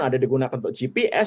ada digunakan untuk gps